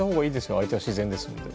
相手は自然なので。